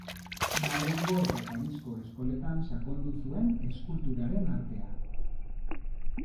Madrilgo eta Parisko eskoletan sakondu zuen eskulturaren artea.